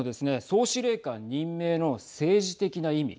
総司令官任命の政治的な意味。